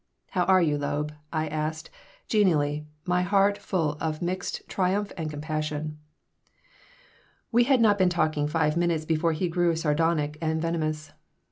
"How are you, Loeb?" I asked, genially, my heart full of mixed triumph and compassion We had not been talking five minutes before he grew sardonic and venomous.